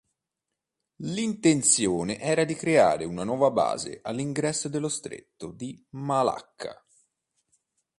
L'intenzione era di creare una nuova base all'ingresso dello stretto di Malacca.